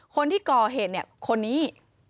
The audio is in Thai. คนที่ก่อเหตุเนี่ยคนนี้